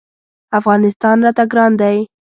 افغانستان راته ګران دی.